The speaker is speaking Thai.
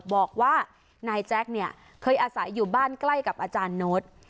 บอกว่านายแจ๊คเนี่ยเคยอาศัยอยู่บ้านใกล้กับอาจารย์โน๊ต